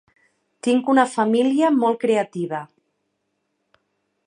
Tinc una família molt creativa.